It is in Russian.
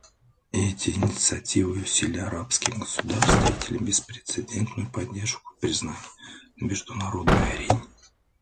Эти инициативы и усилия арабских государств встретили беспрецедентную поддержку и признание на международной арене.